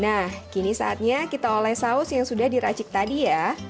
nah kini saatnya kita oleh saus yang sudah diracik tadi ya